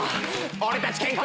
俺たち健康